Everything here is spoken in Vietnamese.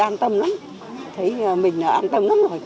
an tâm lắm thấy mình an tâm lắm rồi